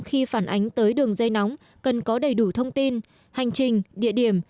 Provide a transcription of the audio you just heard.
khi phản ánh tới đường dây nóng cần có đầy đủ thông tin hành trình địa điểm